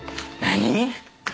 何？